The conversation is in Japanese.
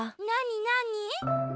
なになに？